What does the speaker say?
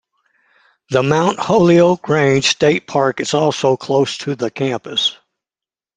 The Mount Holyoke Range State Park is also close to the campus.